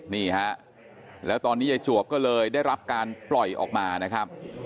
นี่ฮะแล้วตอนนี้ยายจวบก็เลยได้รับการปล่อยออกมานะครับ